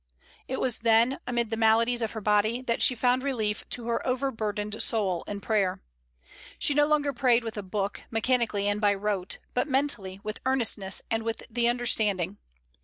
It was then, amid the maladies of her body, that she found relief to her over burdened soul in prayer. She no longer prayed with a book, mechanically and by rote, but mentally, with earnestness, and with the understanding.